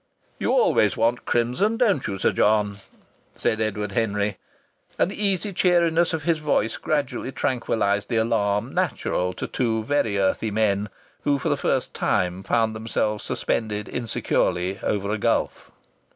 "You always want crimson, don't you, Sir John?" said Edward Henry, and the easy cheeriness of his voice gradually tranquillized the alarm natural to two very earthly men who for the first time found themselves suspended insecurely over a gulf.